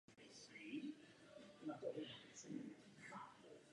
Hospodářské oživení a růst jsou klíčovou podmínkou dalšího rozvoje české společnosti.